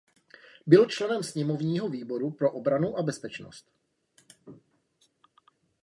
Byl členem sněmovního výboru pro obranu a bezpečnost.